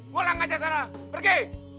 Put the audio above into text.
mulai aja sana pergi